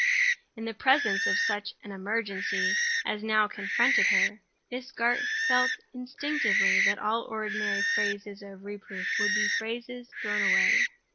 In the presence of such an emergency as now confronted her, Miss Garth felt instinctively that all ordinary phrases of reproof would be phrases thrown away.